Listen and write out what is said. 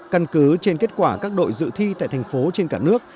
căn cứ trên kết quả các đội dự thi tại thành phố trên cả nước